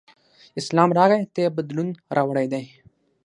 اسلام راغی ته یې بدلون راوړی دی.